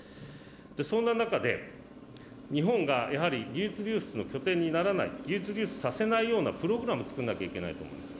そんな中で、日本がやはり技術流出の拠点にならない、技術流出させないような、プログラムを作んなきゃいけないと思います。